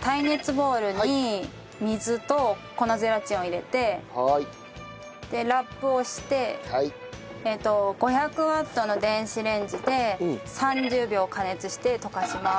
耐熱ボウルに水と粉ゼラチンを入れてでラップをして５００ワットの電子レンジで３０秒加熱して溶かします。